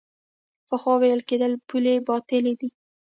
پخوا ویل کېدل پولې باطلې دي.